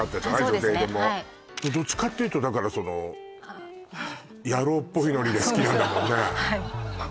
女性でもどっちかっていうとだからその野郎っぽいノリで好きなんだもんね